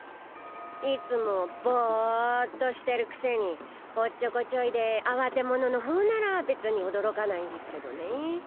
いつもボーッとしてるくせにオッチョコチョイであわて者のほうなら別に驚かないんですけどね。